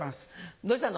どうしたの？